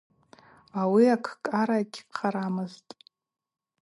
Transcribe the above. Ауи акӏкӏара гьхъарамызтӏ.